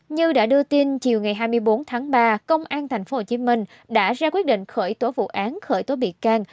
như đã đưa tin chiều ngày hai mươi bốn tháng ba công an tp hcm đã ra quyết định khởi tố vụ án khởi tố bị can